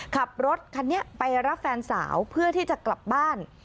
ขับรถคันนี้ไปรับแฟนสาวเพื่อที่จะกลับบ้าน